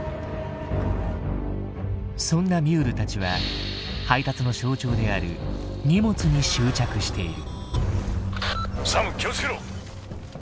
そんなミュールたちは配達の象徴である荷物に執着している。